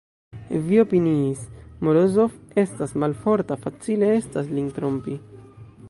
Vi opiniis: Morozov estas malforta, facile estas lin trompi!